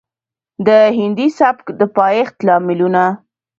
د هندي سبک د پايښت لاملونه